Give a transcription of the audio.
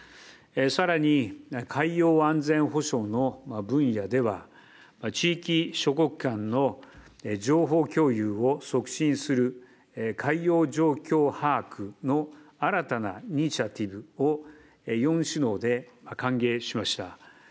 さらに、海洋安全保障の分野では、地域諸国間の情報共有を促進する海洋状況把握の新たなイニシアティブを４首脳で歓迎しました。